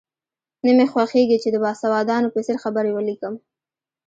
نه مې خوښېږي چې د باسوادانو په څېر خبرې ولیکم.